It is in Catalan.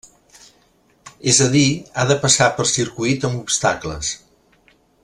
És a dir, ha de passar per circuit amb obstacles.